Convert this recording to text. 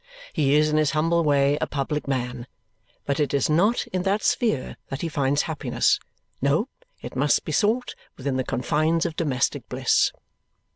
He is in his humble way a public man, but it is not in that sphere that he finds happiness. No, it must be sought within the confines of domestic bliss.